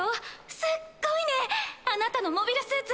すっごいねあなたのモビルスーツ！